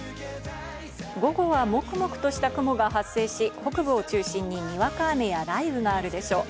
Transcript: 午後はもくもくとした雲が発生し北部を中心に、にわか雨や雷雨があるでしょう。